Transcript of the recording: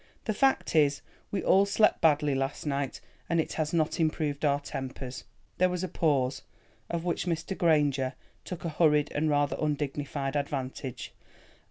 The fact is, we all slept badly last night, and it has not improved our tempers." There was a pause, of which Mr. Granger took a hurried and rather undignified advantage.